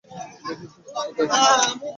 দেশে শস্য কোথায়?